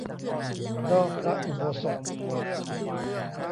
รอบพระอุโบสถ